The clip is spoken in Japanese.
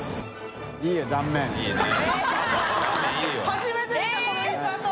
初めて見たこのインサート！